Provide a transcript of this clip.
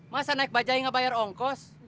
masa naik bajaj gak bayar ongkos